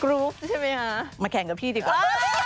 รู้ใช่ไหมคะมาแข่งกับพี่ดีกว่า